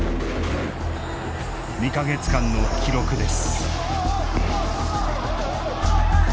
２か月間の記録です。